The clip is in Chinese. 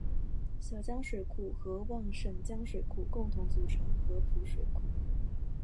小江水库与旺盛江水库共同组成合浦水库。